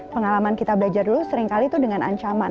pengalaman kita belajar dulu seringkali itu dengan ancaman